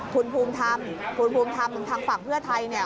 คุณภูมิธรรมคุณภูมิธรรมทางฝั่งเพื่อไทยเนี่ย